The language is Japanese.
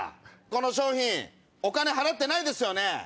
この商品お金払ってないですね。